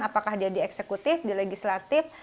apakah dia di eksekutif di legislatif